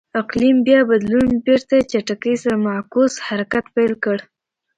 اقلیم بیا بدلون بېرته چټکۍ سره معکوس حرکت پیل کړ.